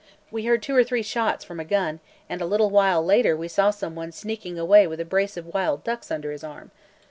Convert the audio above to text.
We heard two or three shots from a gun, and a little while later we saw some one sneaking away with a brace of wild ducks under his arm.